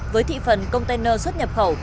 với thị phần container xuất nhập khẩu